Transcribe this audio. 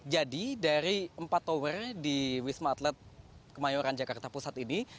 jadi dari empat tower di wisma atlet kemayoran jakarta pusat ini